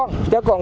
mà là hai mươi con